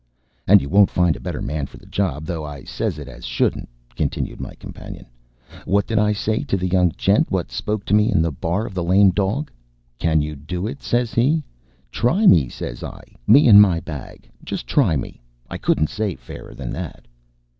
"And you won't find a better man for the job, though I says it as shouldn't," continued my companion. "Wot did I say to the young gent wot spoke to me in the bar of the Lame Dog? 'Can you do it?' says he. 'Try me,' says I, 'me and my bag. Just try me.' I couldn't say fairer than that."